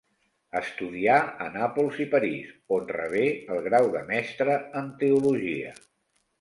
Estudià a Nàpols i París, on rebé el grau de mestre en teologia.